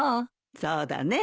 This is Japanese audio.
そうだね。